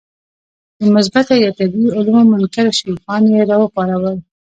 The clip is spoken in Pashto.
د مثبته یا طبیعي علومو منکر شیخان یې راوپارول.